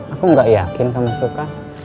aku gak yakin kamu suka